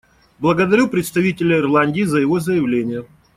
Благодарю представителя Ирландии за его заявление.